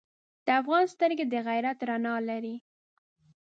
د افغان سترګې د غیرت رڼا لري.